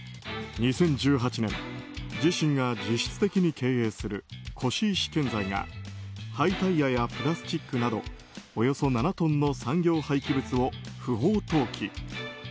２０１８年、自身が実質的に経営する輿石建材が廃タイヤやプラスチックなどおよそ７トンの産業廃棄物を不法投棄。